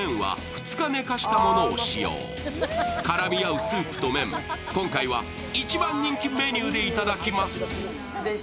絡み合うスープと麺、今回は一番人気メニューでいただきます。